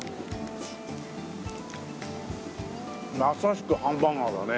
まさしくハンバーガーだね。